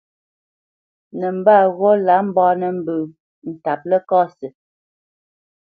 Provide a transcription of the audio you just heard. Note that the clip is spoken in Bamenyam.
Nəmbat ghó lǎ mbánə́ mbə́ ntǎp Ləkasi.